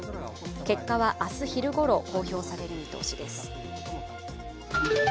結果は明日昼ごろ公表される見通しです。